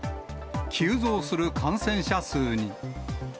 急増する感染者数に。